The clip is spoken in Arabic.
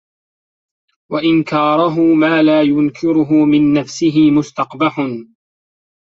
وَإِنْكَارَهُ مَا لَا يُنْكِرُهُ مِنْ نَفْسِهِ مُسْتَقْبَحٌ